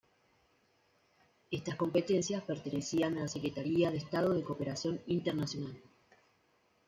Estas competencias pertenecían a la Secretaría de Estado de Cooperación Internacional.